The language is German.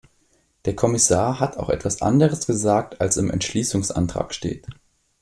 Der Kommissar hat auch etwas anderes gesagt als im Entschließungsantrag steht.